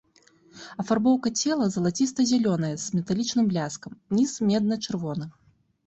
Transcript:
Афарбоўка цела залаціста-зялёная з металічным бляскам, ніз медна-чырвоны.